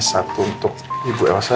ini satu untuk ibu elsa dan di sini ya